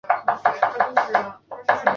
该物种的模式产地在西伯利亚。